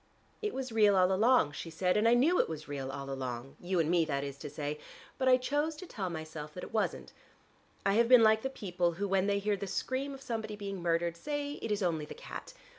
"It was real all along," she said, "and I knew it was real all along you and me, that is to say but I chose to tell myself that it wasn't. I have been like the people who when they hear the scream of somebody being murdered say it is only the cat.